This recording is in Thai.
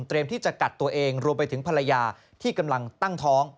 ที่จะกัดตัวเองรวมไปถึงภรรยาที่กำลังตั้งท้อง